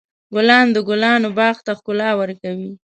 ګلان د ګلانو باغ ته ښکلا ورکوي.